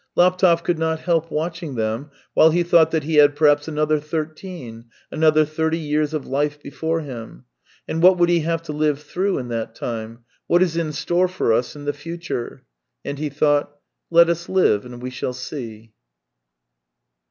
Laptev could not help watching them while he thought 312 THE TALES OF TCHEHOV that he had perhaps another thirteen, another thirty years of life before him. ... And what would he have to live through in that time ? What is in store for us in the future ? And he thought :" Let us live, and we shall see."